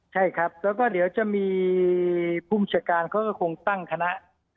ใช่ครับแล้วก็เดี๋ยวจะมีภูมิชาการเขาก็คงตั้งคณะ